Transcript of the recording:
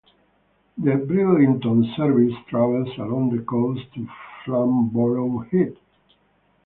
The Bridlington service travels along the coast to Flamborough Head.